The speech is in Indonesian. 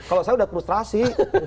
kalau saya sudah frustrasi